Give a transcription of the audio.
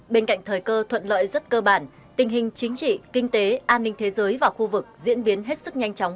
bên cạnh thời cơ thuận lợi rất cơ bản tình hình chính trị kinh tế an ninh thế giới và khu vực diễn biến hết sức nhanh chóng